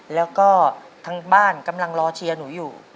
แล้วก็ทางบ้านกำลังรอเชียร์หนูอยู่